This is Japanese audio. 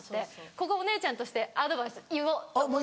ここはお姉ちゃんとしてアドバイス言おうと思って。